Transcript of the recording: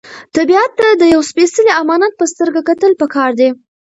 طبیعت ته د یو سپېڅلي امانت په سترګه کتل پکار دي.